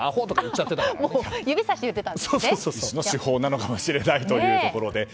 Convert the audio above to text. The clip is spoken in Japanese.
一種の手法なのかもしれないということで。